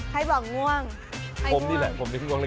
ใครบอกง่วงใครง่วงผมนี่แหละผมมีสง่วงลิก